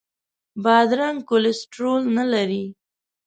بادرنګ کولیسټرول نه لري.